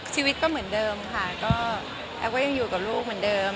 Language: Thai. ชีวิตก็เหมือนเดิมค่ะก็แอฟก็ยังอยู่กับลูกเหมือนเดิม